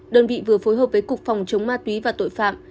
đơn vị vừa phối hợp với cục phòng chống ma túy và tội phạm